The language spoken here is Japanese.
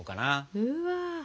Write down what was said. うわ。